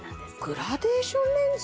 グラデーションレンズ？